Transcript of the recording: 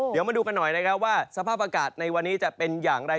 เดี๋ยวมาดูกันหน่อยนะครับว่าสภาพอากาศในวันนี้จะเป็นอย่างไร